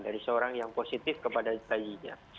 dari seorang yang positif kepada bayinya